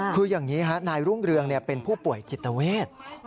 คืออย่างนี้ฮะนายรุ่งเรืองเป็นผู้ป่วยจิตเวท